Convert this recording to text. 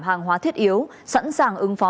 hàng hóa thiết yếu sẵn sàng ứng phó